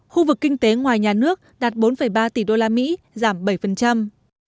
khu vực kinh tế ngoài nhà nước đạt bốn ba tỷ usd giảm bảy